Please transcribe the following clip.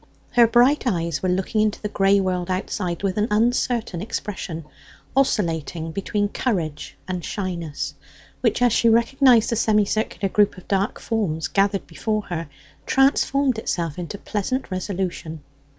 Her bright eyes were looking into the grey world outside with an uncertain expression, oscillating between courage and shyness, which, as she recognized the semicircular group of dark forms gathered before her, transformed itself into pleasant resolution.